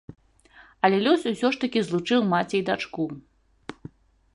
Але лёс усё ж такі злучыў маці і дачку.